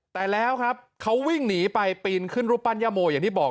แต่แล้วครับเขาวิ่งหนีไปปีนขึ้นรูปปั้นย่าโมอย่างที่บอก